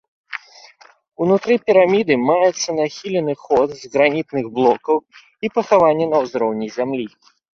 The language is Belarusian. Унутры піраміды маецца нахілены ход з гранітных блокаў і пахаванне на ўзроўні зямлі.